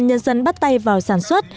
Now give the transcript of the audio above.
nhân dân bắt tay vào sản xuất